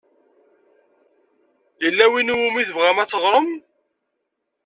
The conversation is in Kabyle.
Yella win i wumi tebɣam ad teɣṛem?